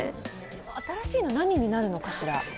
新しいの何になるのかしら？